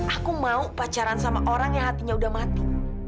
aku mau pacaran sama orang yang hatinya udah mati